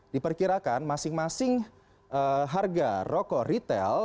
diperkirakan masing masing harga rokok retail